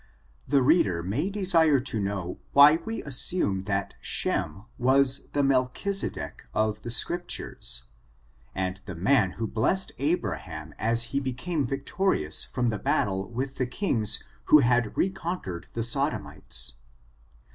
The reader may desire to know why we assume that Shem was the Melchisedek of the Scriptures, and the man who blessed Abraham as he came vic« ^^i^a^i^i««^^^%^% 284 ORiGinr, character, and torious from the battle with the kings who had recon« quered the Sodomites.